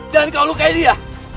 jangan kau lukai dia